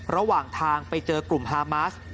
ระหว่างทางไปเจอกลุ่มฮามาส